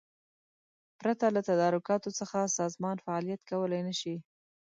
پرته له تدارکاتو څخه سازمان فعالیت کولای نشي.